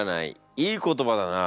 いい言葉だな。